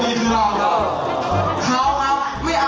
ไม่เอาเราครับไม่เอาเขา